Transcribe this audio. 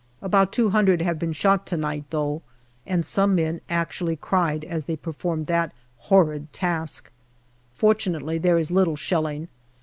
About two hundred have been shot to night, though, and some men actually cried as they per formed that horrid task. Fortunately there is little shelling.